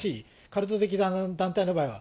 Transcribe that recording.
カルト的な団体の場合は。